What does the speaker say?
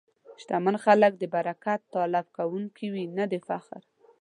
شتمن خلک د برکت طلب کوونکي وي، نه د فخر.